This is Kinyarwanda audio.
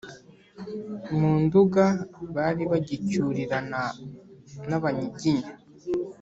mu nduga bari bagicyurirana n'abanyiginya